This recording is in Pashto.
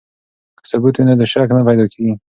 که ثبوت وي نو شک نه پیدا کیږي.